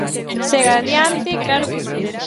Segue adiante, claro que si.